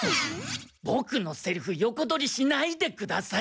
ボクのセリフ横取りしないでください。